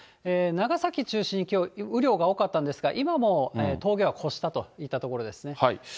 長崎中心にきょう、雨量が多かったんですが、今も峠は越したといったところですね。